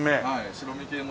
白身系も今。